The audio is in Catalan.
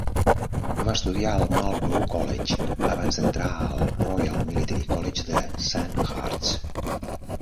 Va estudiar al Marlborough College abans d'entrar al Royal Military College de Sandhurst.